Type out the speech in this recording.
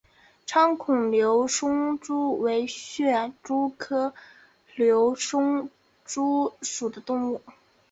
穿孔瘤胸蛛为皿蛛科瘤胸蛛属的动物。